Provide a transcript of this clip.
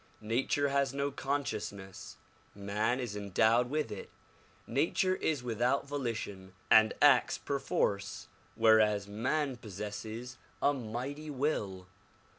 Nature has no consciousness, man is endow^ed with it. Nature is without voli tion and acts perforce whereas man possesses a mighty will.